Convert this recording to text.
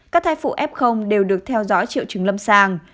các thai phụ f đều được theo dõi triệu chứng lâm sàng